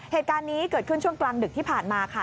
เหตุการณ์นี้เกิดขึ้นช่วงกลางดึกที่ผ่านมาค่ะ